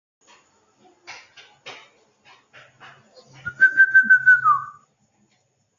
இவ்வாறு பேசுவது, கனவு காண்பது, காட்சிகள் இவை யாவும் கடவுளர்களின் பிரியத்துக்குரியவர்களுக்கே நிகழும்.